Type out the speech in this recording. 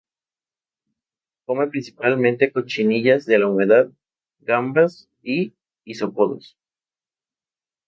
Come principalmente cochinillas de la humedad, gambas y isópodos.